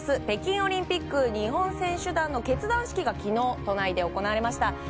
北京オリンピック日本選手団の結団式が昨日、都内で行われました。